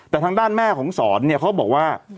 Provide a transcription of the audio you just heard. แต่ทางด้านแม่ของสอนเนี่ยเขาบอกว่า